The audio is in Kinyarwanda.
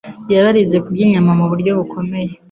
yabarinze kurya inyama mu buryo bukomeye,